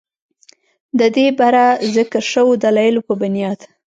ددې بره ذکر شوو دلايلو پۀ بنياد